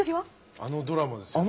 あのドラマですよね？